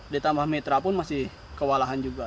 ditambah mitra pun masih kewalahan juga